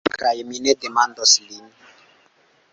Kaj mi ne demandos lin.